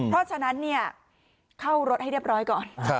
เพราะฉะนั้นเข้ารถให้เรียบร้อยก่อน